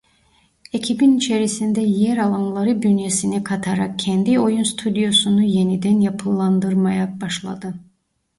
Ekibin içerisinde yer alanları bünyesine katarak kendi oyun stüdyosunu yeniden yapılandırmaya başladı.